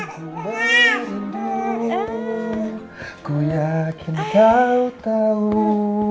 aku merindu ku yakin kau tahu